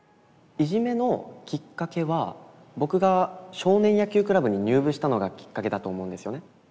いじめのキッカケは僕が少年野球クラブに入部したのがキッカケだと思うんですよね。